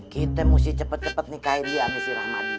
kita mesti cepet cepet nikahin dia sama si rahmadi